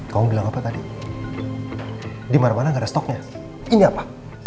kamu bilang apa tadi di mana mana gak ada stoknya ini apa